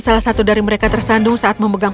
salah satu dari mereka tersandung saat memegang